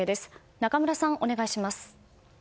仲村さん、お願いします。